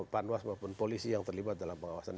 panwas maupun polisi yang terlibat dalam pengawasan